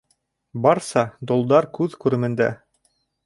Барса долдар күҙ күремендә.